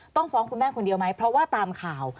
ต้องฟ้องคุณแม่คนเดียวไหมเพราะว่าตามข่าว